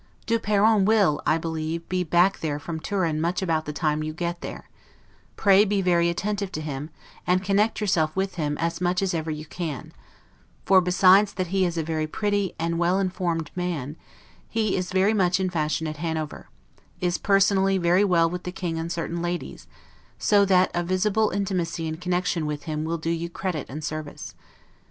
Du Perron will, I believe, be back there from Turin much about the time you get there: pray be very attentive to him, and connect yourself with him as much as ever you can; for, besides that he is a very pretty and well informed man, he is very much in fashion at Hanover, is personally very well with the King and certain ladies; so that a visible intimacy and connection with him will do you credit and service.